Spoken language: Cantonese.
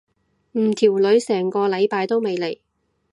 唔條女成個禮拜都未嚟。